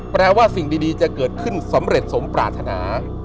แปลว่าสิ่งดีจะเกิดขึ้นสำเร็จสมปรารถนา